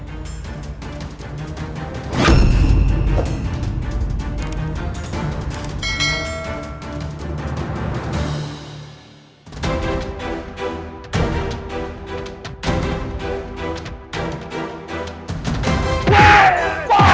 hukum menyebabkan kepengarahan